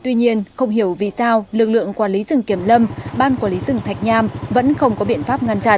tuy nhiên không hiểu vì sao lực lượng quản lý rừng kiểm lâm ban quản lý rừng thạch nham vẫn không có biện pháp ngăn chặn